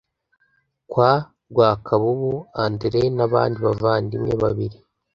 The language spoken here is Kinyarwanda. kwa rwakabubu andre n abandi bavandimwe babiri